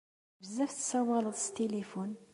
Bezzaf tsawaleḍ s tilifun.